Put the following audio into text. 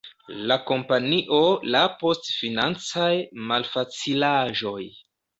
La kompanio la post financaj malfacilaĵoj.